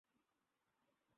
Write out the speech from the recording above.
জনাব কবির উদ্দিন আহমদ।